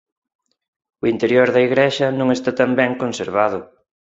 O interior da igrexa non está tan ben conservado.